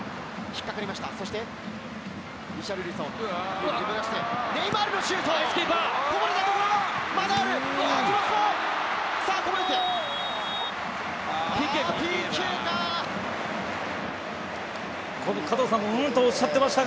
ひっかかりました。